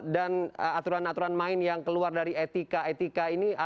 dan aturan aturan main yang keluar dari etika etika ini